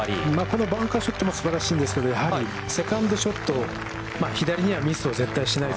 このバンカーショットもすばらしいんですけど、やはりセカンドショット、左にはミスを絶対しない。